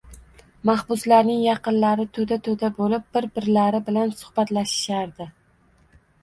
Mahbuslarning yaqinlari to`da-to`da bo`lib bir-birlari bilan suhbatlashishardi